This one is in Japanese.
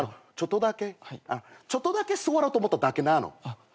ちょっとだけちょっとだけ座ろうと思っただけなの。